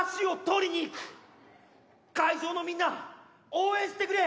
会場のみんな応援してくれ！